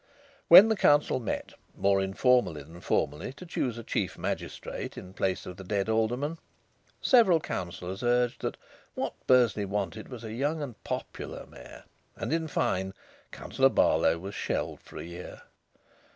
When the Council met, more informally than formally, to choose a chief magistrate in place of the dead alderman, several councillors urged that what Bursley wanted was a young and popular mayor. And, in fine, Councillor Barlow was shelved for a year.